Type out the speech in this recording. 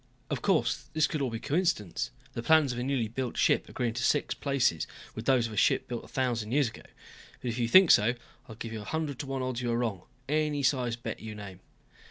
Of course, this could all be coincidence the plans of a newly built ship agreeing to six places with those of a ship built a thousand years ago. But if you think so, I will give you hundred to one odds you are wrong, any size bet you name."